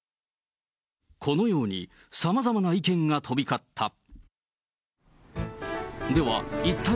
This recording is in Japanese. このように、さまざまな意見が飛び交った。